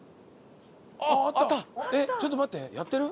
ちょっと待ってやってる？